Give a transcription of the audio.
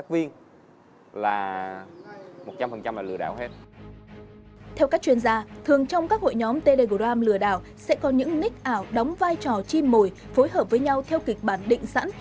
theo các chuyên gia thường trong các hội nhóm telegram lừa đảo sẽ có những nít ảo đóng vai trò chim mồi phối hợp với nhau theo kịch bản định sẵn